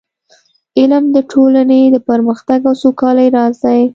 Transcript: علم د ټولنې د پرمختګ او سوکالۍ راز دی.